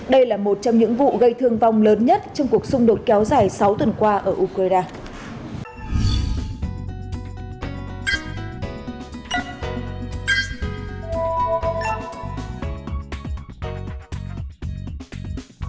đây là một trong những vụ gây thương vong lớn nhất trong cuộc xung đột kéo dài sáu tuần qua ở ukraine